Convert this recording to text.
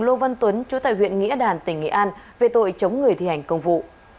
lô văn tuấn chú tại huyện nghĩa đàn tỉnh nghệ an về tội chống người thi hành công vụ